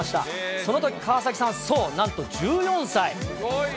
そのとき川崎さん、そう、なんと１４歳。